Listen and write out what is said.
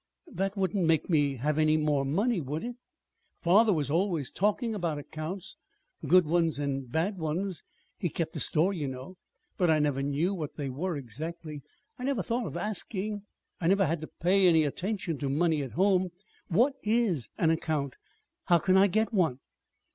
That wouldn't make me have any more money, would it? Father was always talking about accounts good ones and bad ones. He kept a store, you know. But I never knew what they were, exactly. I never thought of asking. I never had to pay any attention to money at home. What is an account? How can I get one?"